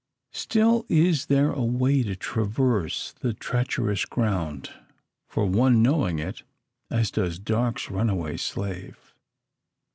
Still is there a way to traverse the treacherous ground, for one knowing it, as does Darke's runaway slave.